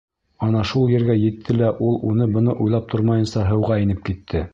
Ана шул ергә етте лә ул, уны-быны уйлап тормайынса, һыуға инеп китте.